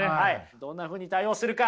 どんなふうに対応するか。